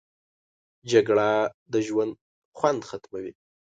جګړه د ژوند خوند ختموي